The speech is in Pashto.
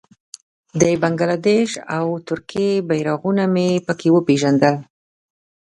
د بنګله دېش او ترکیې بېرغونه مې په کې وپېژندل.